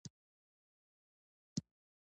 د امو سیند نفتي حوزه ډیره بډایه ده.